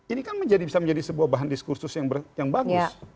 ini kan bisa menjadi sebuah bahan diskursus yang bagus